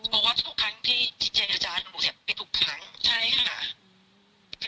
เพราะว่าทุกครั้งที่เจรจาหนูเนี่ยปิดทุกครั้งใช่ค่ะ